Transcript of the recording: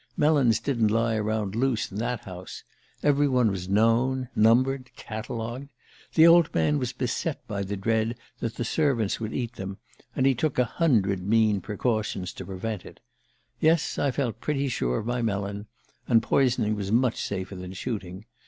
Melons didn't lie around loose in that house every one was known, numbered, catalogued. The old man was beset by the dread that the servants would eat them, and he took a hundred mean precautions to prevent it. Yes, I felt pretty sure of my melon ... and poisoning was much safer than shooting.